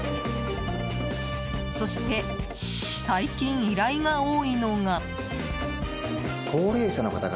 そして、最近依頼が多いのが。